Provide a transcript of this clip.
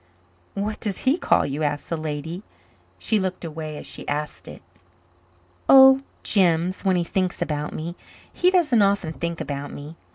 "What does he call you?" asked the lady. She looked away as she asked it. "Oh, Jims, when he thinks about me. He doesn't often think about me.